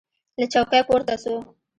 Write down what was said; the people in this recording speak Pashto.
له چوکۍ پورته سو.